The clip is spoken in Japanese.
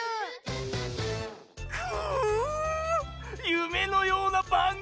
ゆめのようなばんぐみ！